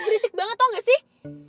gerisik banget tau gak sih